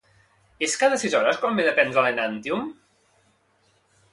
És cada sis hores quan m'he de prendre l'Enantyum?